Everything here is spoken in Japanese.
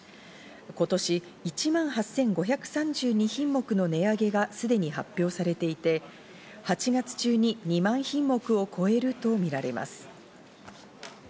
今年１万８５３２品目の値上げがすでに発表されていて、８月中に２万品目を超えるとみられます。